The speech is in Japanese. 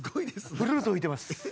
フルート吹いてます